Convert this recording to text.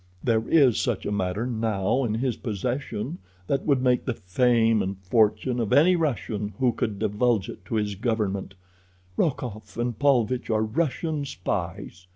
"There is such a matter now in his possession that would make the fame and fortune of any Russian who could divulge it to his government. Rokoff and Paulvitch are Russian spies.